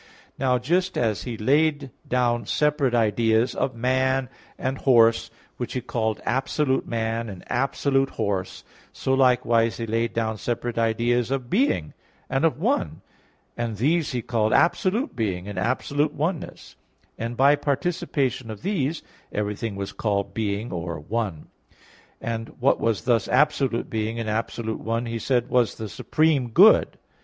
Now just as he laid down separate ideas of man and horse which he called absolute man and absolute horse, so likewise he laid down separate ideas of "being" and of "one," and these he called absolute being and absolute oneness; and by participation of these, everything was called "being" or "one"; and what was thus absolute being and absolute one, he said was the supreme good.